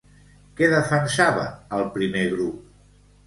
Què defensava el primer grup?